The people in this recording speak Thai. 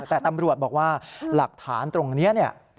แต่ตำรวจบอกว่าหลักฐานตรงนี้เนี่ย